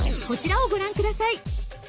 こちらをご覧ください。